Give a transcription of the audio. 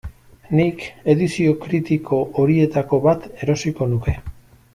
Nik edizio kritiko horietako bat erosiko nuke.